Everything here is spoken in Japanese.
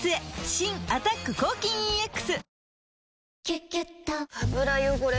新「アタック抗菌ＥＸ」「キュキュット」油汚れ